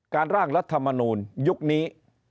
ร่างรัฐมนูลยุคนี้